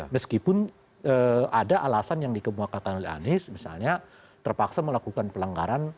meskipun ada alasan yang dikemukakan oleh anies misalnya terpaksa melakukan pelanggaran